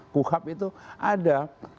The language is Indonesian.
kuhab itu ada